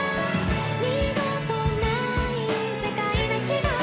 「二度とない世界な気がしてる」